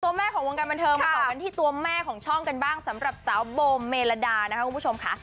แม่ของวงการบันเทิงมาต่อกันที่ตัวแม่ของช่องกันบ้างสำหรับสาวโบเมลดานะคะคุณผู้ชมค่ะ